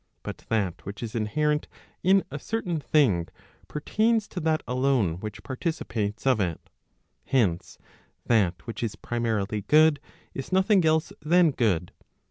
But that which is inherent in a certain thing, pertains to that alone which participates of it. Hence, that which is primarily good, is nothing else than good.